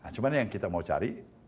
cuma yang kita mau cari